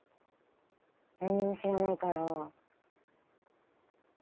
なんにも知らないから。